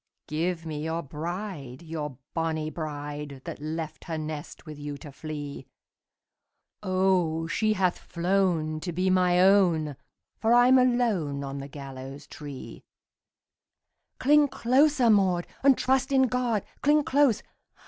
"Give me your bride, your bonnie bride, That left her nest with you to flee! O, she hath flown to be my own, For I'm alone on the gallows tree!" "Cling closer, Maud, and trust in God! Cling close!